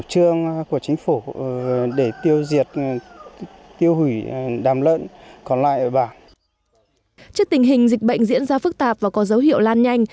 trước tình hình dịch bệnh diễn ra phức tạp và có dấu hiệu lan nhanh